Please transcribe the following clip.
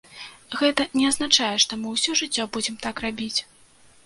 Гэта не азначае, што мы ўсё жыццё будзем так рабіць.